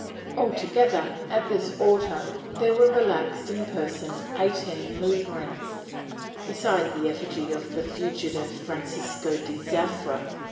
^ Altogether, at this auto, there were relaxed in person eighteen Lutherans, besides the effigy of the fugitive Francisco de Zafra.